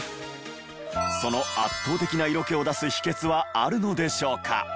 その圧倒的な色気を出す秘訣はあるのでしょうか？